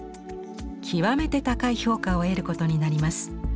極めて高い評価を得ることになります。